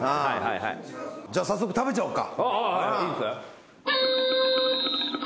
じゃあ早速食べちゃおうか。